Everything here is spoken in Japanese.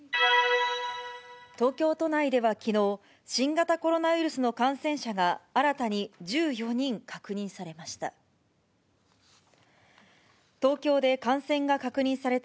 東京都内ではきのう、新型コロナウイルスの感染者が、新たに１４人確認されました。